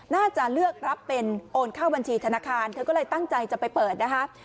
น่าจะเลือกรับเป็นโอนเข้าบัญชีธนาคารเธอก็เลยตั้งใจจะไปเปิดนะคะ